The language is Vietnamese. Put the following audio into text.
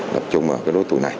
tập trung vào cái đối tượng này